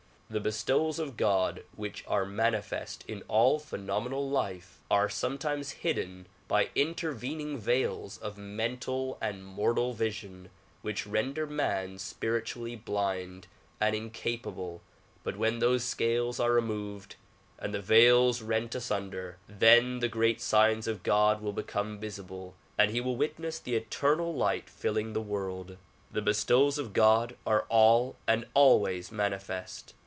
The bestowals of God which are manifest in all phenomenal life are sometimes hidden by inter vening veils of mental and mortal vision which render man spirit ually blind and incapable but when those scales are removed and the veils rent asunder, then the great signs of God will become visible and he will witness the eternal light filling the world. The bestowals of God are all and always manifest.